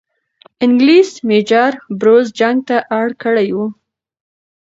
انګلیس میجر بروز جنگ ته اړ کړی وو.